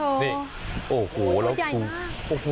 โอ้โหตัวใหญ่มาก